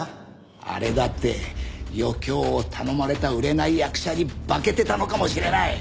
あれだって余興を頼まれた売れない役者に化けてたのかもしれない。